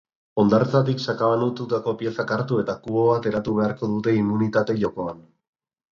Hondartzatik sakabanatutako piezak hartu eta kubo bat eratu beharko dute immunitate jokoan.